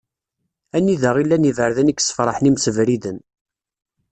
Anida i llan yiberdan i yessefraḥen imsebriden.